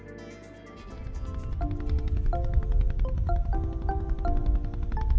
pemandu wisatawan juga bisa menikmati papan dayung atau pedalboard